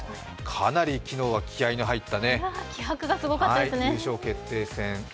かなり昨日は気合いの入った優勝決定戦。